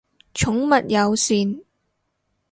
寵物友善